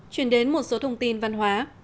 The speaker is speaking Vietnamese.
chuyển đến một số thông tin văn hóa